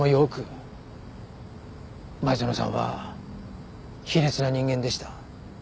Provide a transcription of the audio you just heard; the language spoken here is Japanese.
前園さんは卑劣な人間でした。